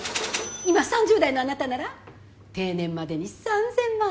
今３０代のあなたなら定年までに３，０００万円。